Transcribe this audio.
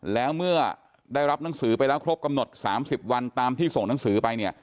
แล้วเมื่อได้รับหนังสือไปแล้วครบกำหนด๓๐วันตามที่ส่งหนังสือไปเนี่ย